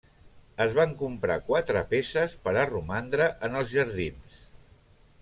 Es van comprar quatre peces per a romandre en els jardins.